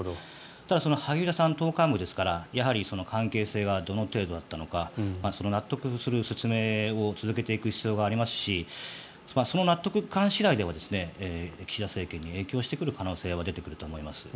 ただ、その萩生田さんは党幹部ですからやはり関係性がどの程度だったのか納得する説明を続けていく必要がありますしその納得感次第では岸田政権に影響してくる可能性は出てくると思います。